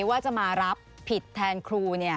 ว่าจะมารับผิดแทนครู